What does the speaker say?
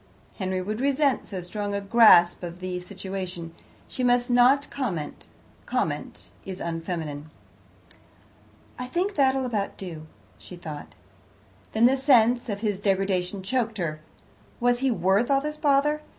"Henry would resent so strong a grasp of the situation. She must not comment; comment is unfeminine. "I think that'll about do," she thought. Then the sense of his degradation choked her. Was he worth all this bother?